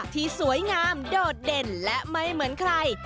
ที่สวยงามโดดเด่นและไม่เหมือนใคร